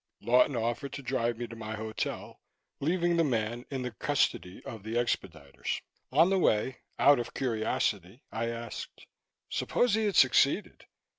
Lawton offered to drive me to my hotel, leaving the man in the custody of the expediters. On the way, out of curiosity, I asked: "Suppose he had succeeded?